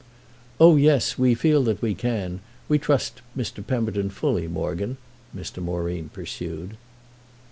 "Oh yes—we feel that we can. We trust Mr. Pemberton fully, Morgan," Mr. Moreen pursued.